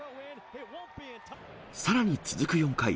さらに続く４回。